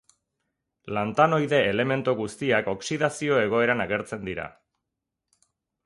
Lantanoide elementu guztiek oxidazio egoeran agertzen dira.